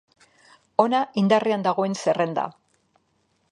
Hona indarrean dagoen zerrenda.